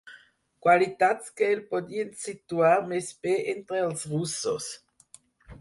Qualitats que el podien situar més bé entre els russos.